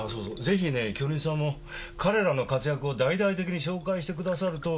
ぜひね京日さんも彼らの活躍を大々的に紹介してくださると。